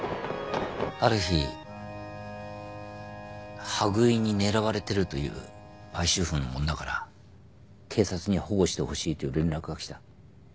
ある日羽喰に狙われてるという売春婦の女から警察に保護してほしいという連絡が来た。